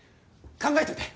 考えといて。